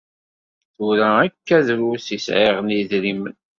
Tura akka drus i sɛiɣ n yidrimen.